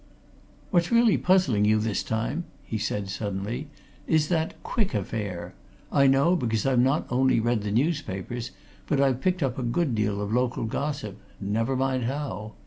"What's really puzzling you this time," he said suddenly, "is that Quick affair I know because I've not only read the newspapers, but I've picked up a good deal of local gossip never mind how.